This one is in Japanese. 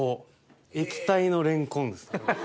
液体のレンコン。